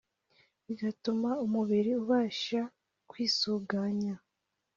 bigatuma umubiri ubasha kwisuganya